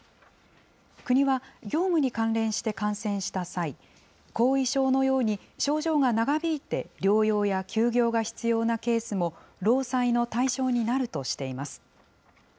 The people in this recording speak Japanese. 国は、業務に関連して感染した際、後遺症のように症状が長引いて療養や休業が必要なケースも労災の対象になるとしています。